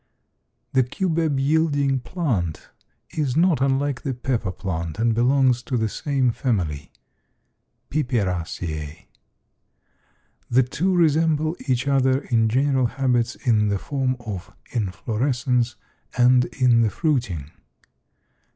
The cubeb yielding plant is not unlike the pepper plant and belongs to the same family (Piperaceae). The two resemble each other in general habits in the form of inflorescence and in the fruiting.